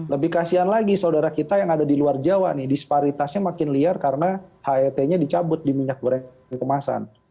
lebih kasian lagi saudara kita yang ada di luar jawa nih disparitasnya makin liar karena het nya dicabut di minyak goreng kemasan